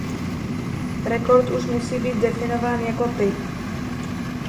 Record už musí být definován jako typ.